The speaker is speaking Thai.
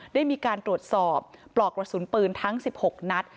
ได้มีการตรวจสอบปลอกกระสุนปืนทั้ง๑๖นัด